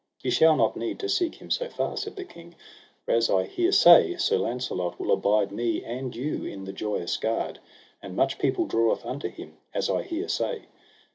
Ye shall not need to seek him so far, said the king, for as I hear say, Sir Launcelot will abide me and you in the Joyous Gard; and much people draweth unto him, as I hear say.